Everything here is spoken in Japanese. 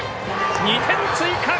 ２点追加。